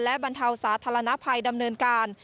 และบรรเทาสาธารณภัยดำเนินการ